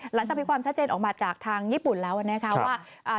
หลังจากมีความชัดเจนออกมาจากทางญี่ปุ่นแล้วนะคะว่า